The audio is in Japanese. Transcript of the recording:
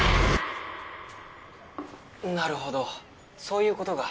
なるほどそういうことが。